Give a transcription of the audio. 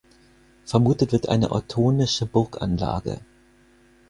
Vermutet wird eine ottonische Burganlage.